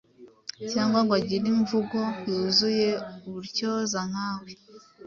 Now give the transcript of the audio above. cyangwa ngo agire imvugo yuzuye ubutyoza nka we.